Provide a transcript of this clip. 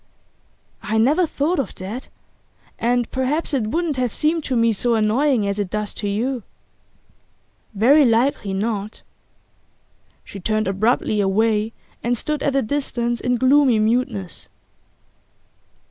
'I never thought of that. And perhaps it wouldn't have seemed to me so annoying as it does to you.' 'Very likely not.' She turned abruptly away, and stood at a distance in gloomy muteness.